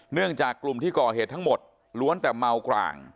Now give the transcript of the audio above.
เนื่องจากกลุ่มที่ก่อเหตุทั้งหมดล้วนแต่เมากร่าง